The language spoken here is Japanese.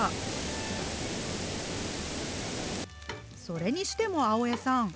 それにしても青江さん